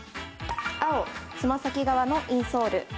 青・つま先側のインソール。